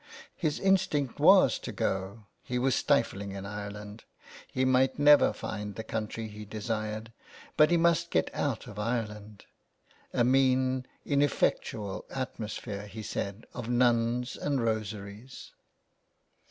His instinct was to go, he was stifling in Ireland. He might never find the country he desired, but he must get out of Ireland, " a mean ineffectual atmosphere," he said, " of nuns and rosaries."